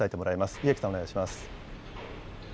家喜さん、お願いします。